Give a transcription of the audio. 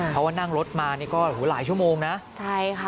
เพราะว่านั่งรถมานี่ก็หลายชั่วโมงนะใช่ค่ะ